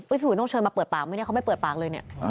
พี่ผู้หญิงต้องเชิญมาเปิดปากไหมเขาไม่เปิดปากเลย